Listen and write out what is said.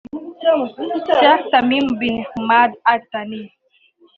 Sheikh Tamim bin Hamad Al-Thani